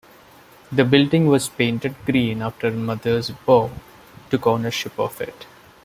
The building was painted green after Mothersbaugh took ownership of it.